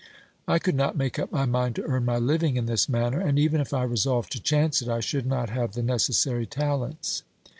I could not make up my mind to earn my living in this manner, and even if I resolved to chance it, I should not have the necessary talents.